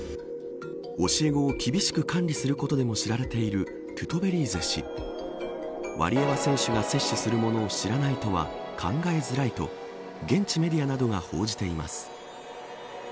教え子を厳しく管理することでも知られているトゥトベリーゼ氏ワリエワ選手が摂取するものを知らないとは考えづらいと現地メディアなどが報じています。